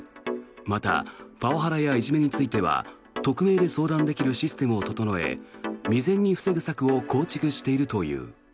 またパワハラやいじめについては匿名で相談できるシステムを整え未然に防ぐ策を構築しているという。